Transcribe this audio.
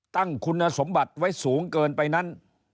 ตั้งคุณสมบัติไว้สูงเกินไปนั้น